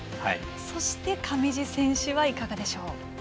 そして、上地選手はいかがでしょう？